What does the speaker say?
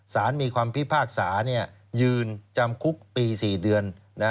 สารมีความพิพากษายืนจำคุกปี๔เดือน